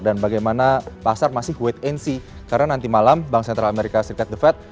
dan bagaimana pasar masih wait and see karena nanti malam bank sentral amerika serikat the fed